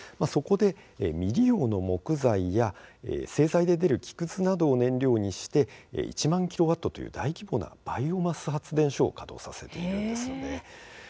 そこで未利用の木材や製材で出る木くずなどを燃料にして１万キロワットという大規模なバイオマス発電所を稼働させているんです。